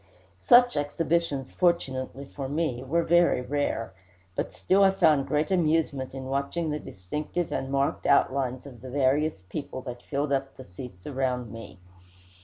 Such exhibitions, fortunately for me, were very rare; but still I found great amusement in watching the distinctive and marked outlines of the various people that filled up the seats around me.